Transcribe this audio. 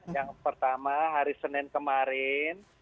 yang pertama hari senin kemarin